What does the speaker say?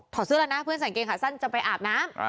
เสื้อแล้วนะเพื่อนใส่เกงขาสั้นจะไปอาบน้ำ